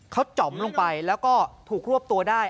เขาจ๋อมลงไปแล้วก็ถูกรวบตัวได้